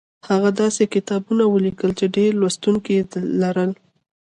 هغه داسې کتابونه ولیکل چې ډېر لوستونکي یې لرل